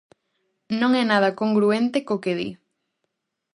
Non é nada congruente co que di.